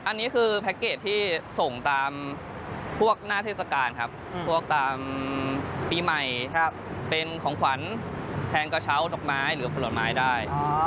อันนี้คือแพ็คเกจที่ส่งตามพวกหน้าเทศกาลครับพวกตามปีใหม่เป็นของขวัญแทงกระเช้าดอกไม้หรือผลไม้ได้